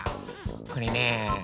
これねえ